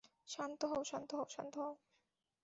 শান্ত হও, শান্ত হও, শান্ত হও।